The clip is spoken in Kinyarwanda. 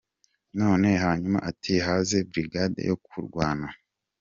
None hanyuma ati haze brigade yo kurwana.